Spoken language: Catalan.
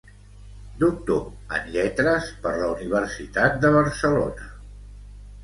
Doctor en lletres per la Universitat de Barcelona.